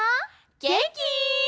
げんき？